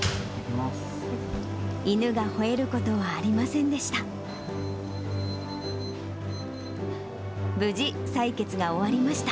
犬がほえることはありませんでした。